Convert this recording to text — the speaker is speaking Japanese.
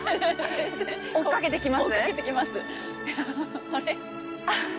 追っかけてきます？